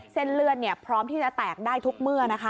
เส้นเลือดพร้อมที่จะแตกได้ทุกเมื่อนะคะ